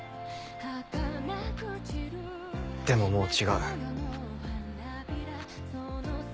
でももう違う。